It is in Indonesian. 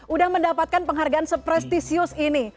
udah mendapatkan penghargaan seprestisius ini